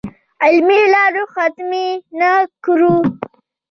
علمي لارو ختمې نه کړو.